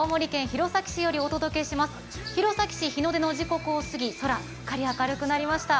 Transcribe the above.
弘前市、日の出の時刻を過ぎ、空はすっかり明るくなりました。